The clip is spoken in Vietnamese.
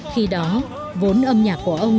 khi đó vốn âm nhạc của ông